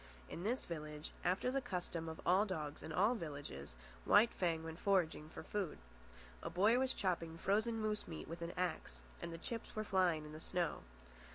In this village, after the custom of all dogs in all villages, White Fang went foraging, for food. A boy was chopping frozen moose meat with an axe, and the chips were flying in the snow.